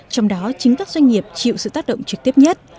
trong đó chính các doanh nghiệp chịu sự tác động trực tiếp nhất